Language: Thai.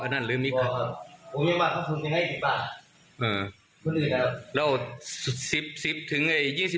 เนี่ย